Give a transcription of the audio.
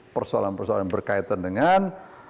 persoalan persoalan yang berkaitan dengan